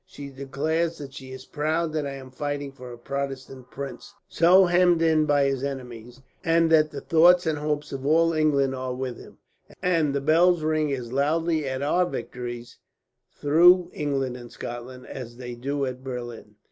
She declares that she is proud that I am fighting for a Protestant prince, so hemmed in by his enemies; and that the thoughts and hopes of all England are with him, and the bells ring as loudly at our victories, through England and Scotland, as they do at Berlin."